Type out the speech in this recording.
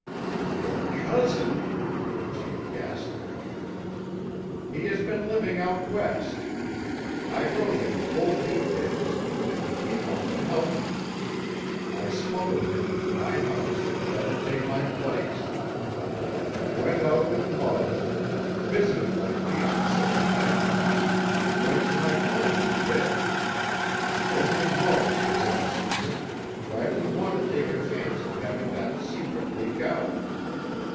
"Your cousin!" the chief gasped. "He has been living out West. I wrote him full details, and he came on to help me. I smuggled him into my house and let him take my place. He went out with Muggs, visited my fiancée in my place, went to my clubs a bit. Only Muggs was in the secret, for I didn't want to take a chance of having that secret leak out.